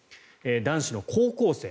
男子の高校生。